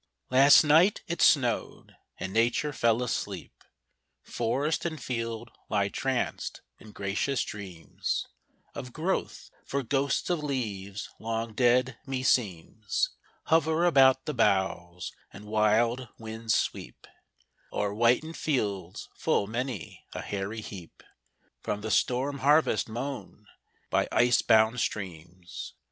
Last night it snowed; and Nature fell asleep. Forest and field lie tranced in gracious dreams Of growth, for ghosts of leaves long dead, me seems, Hover about the boughs; and wild winds sweep O'er whitened fields full many a hoary heap From the storm harvest mown by ice bound streams!